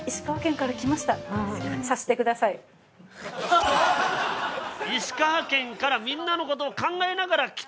私は石川県からみんなの事を考えながら来た。